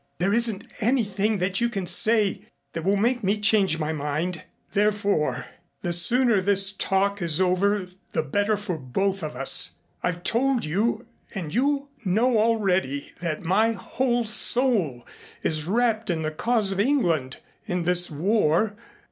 "There isn't anything that you can say that will make me change my mind. Therefore the sooner this talk is over the better for both of us. I've told you and you know already that my whole soul is wrapped in the cause of England in this war.